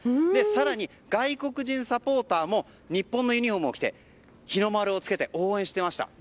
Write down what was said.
更に、外国人サポーターも日本のユニホームを着て日の丸をつけて応援していました。